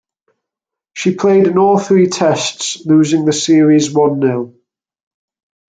She played in all three Tests, losing the series one-nil.